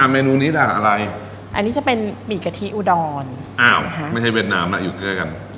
เมนูนี้ด่าอะไรอันนี้จะเป็นหมี่กะทิอุดรอ้าวไม่ใช่เวียดนามแล้วอยู่ใกล้กัน